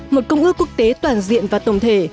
một công ước quốc tế toàn diện và tổng thể